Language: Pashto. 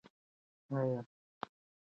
ایا مراد په پار ک کې قدم وواهه؟